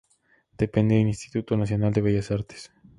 Depende del Instituto Nacional de Bellas Artes.